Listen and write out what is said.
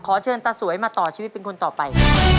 เชิญตาสวยมาต่อชีวิตเป็นคนต่อไป